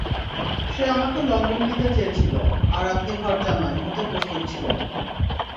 সে আমাকে লন্ডন নিতে চেয়েছিলো, আর আপনি ঘর জামাই, হতে প্রস্তুত ছিলেন।